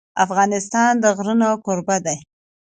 افغانستان د غرونه کوربه دی.